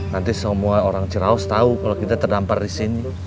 nanti semua orang ciraus tahu kalau kita terdampar di sini